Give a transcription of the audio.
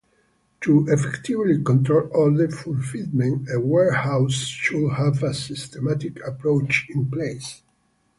To effectively control order fulfillment, a warehouse should have a systematic approach in place.